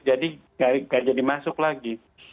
jadi tidak jadi masuk lagi